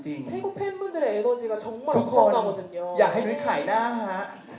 ทุกคนอยากให้หนุ่ยไข่หน้าฮะ